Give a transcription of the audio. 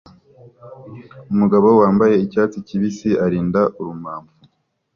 Umugabo wambaye icyatsi kibisi arinda urumamfu